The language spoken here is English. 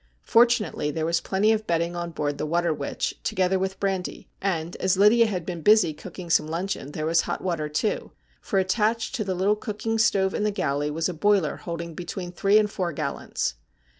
Fortunately there was plenty of bedding on board the ' Water Witch,' together with brandy, and, as Lydia had been busy cooking some luncheon, there was hot water too, for attached to the little cooking stove in the galley was a boiler holding between three and four gallons.